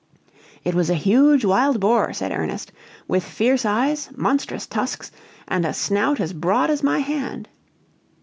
"It was a huge wild boar," said Ernest, "with fierce eyes, monstrous tusks, and a snout as broad as my hand."